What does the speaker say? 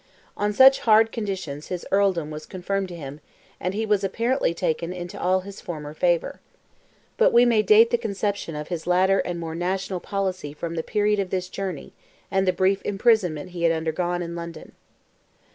On such hard conditions his earldom was confirmed to him, and he was apparently taken into all his former favour. But we may date the conception of his latter and more national policy from the period of this journey, and the brief imprisonment he had undergone in London.